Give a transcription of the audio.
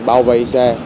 bảo vệ xe